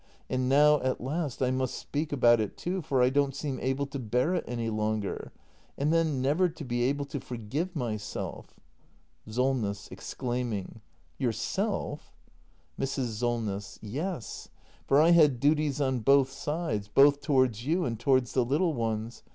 And now, at last, I must speak about it, too; for I don't seem able to bear it any longer. And then never to be able to forgive myself Solness. [Exclaiming.] Yourself ! Mrs. Solness. Yes, for I had duties on both sides — both towards you and towards the little ones.